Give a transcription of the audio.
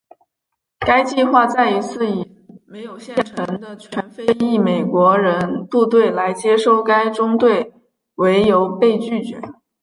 该计划再一次以没有现成的全非裔美国人部队来接收该中队为由被拒绝。